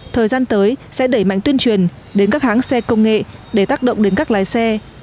thời gian tới sẽ đẩy mạnh tuyên truyền đến các hãng xe công nghệ để tác động đến các lái xe